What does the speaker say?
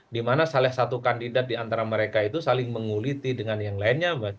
dimana salah satu kandidat di antara mereka itu saling menguliti dengan yang lainnya